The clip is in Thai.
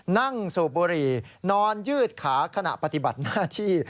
สูบบุหรี่นอนยืดขาขณะปฏิบัติหน้าที่